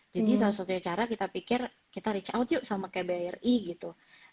jadi salah satu cara kita pikir kita reach out yuk sama kbri gitu